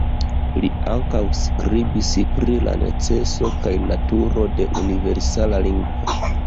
Li ankaŭ skribis pri la neceso kaj naturo de universala lingvo.